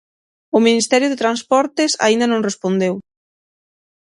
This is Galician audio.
O Ministerio de Transportes aínda non respondeu.